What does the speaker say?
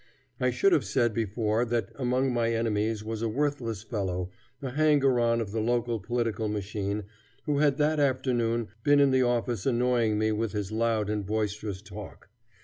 I should have said before that among my enemies was a worthless fellow, a hanger on of the local political machine, who had that afternoon been in the office annoying me with his loud and boisterous talk.